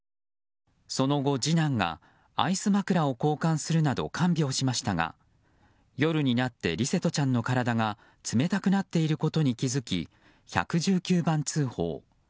その後、次男がアイス枕を交換するなど看病しましたが夜になって琉聖翔ちゃんの体が冷たくなっていることに気づき１１９番通報。